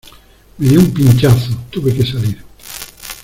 me dio un pinchazo, tuve que salir...